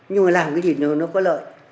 nhưng mà làm cái gì nó có lợi